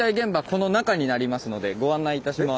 この中になりますのでご案内いたします。